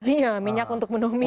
iya minyak untuk menumisnya